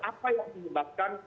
apa yang menyebabkan